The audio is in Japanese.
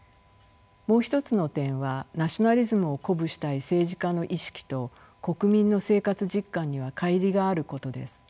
もう一つの点はナショナリズムを鼓舞したい政治家の意識と国民の生活実感には乖離があることです。